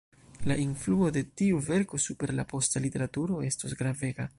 La influo de tiu verko super la posta literaturo estos gravega.